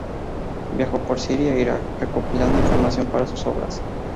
Viajó por Siria e Irak, recopilando información para sus obras.